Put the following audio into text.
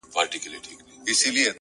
• نوي غوټۍ به له منګولو د ملیاره څارې ,